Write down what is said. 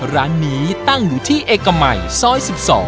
ร้านนี้ตั้งอยู่ที่เอกมัยซ้อยสิบสอง